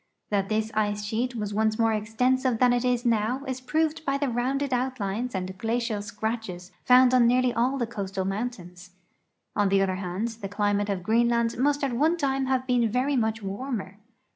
That this ice sheet was once more extensive than it is now is proved b}^ the rounded outlines and glacial scratches found on nearly all the coast mountains. On the other hand, the climate of Greenland must at one time have been very much warmer.